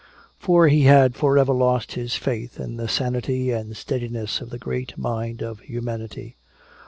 For he had forever lost his faith in the sanity and steadiness of the great mind of humanity.